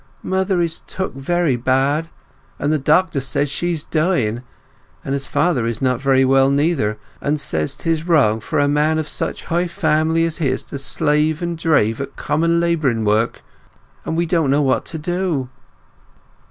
"Mother is took very bad, and the doctor says she's dying, and as father is not very well neither, and says 'tis wrong for a man of such a high family as his to slave and drave at common labouring work, we don't know what to do."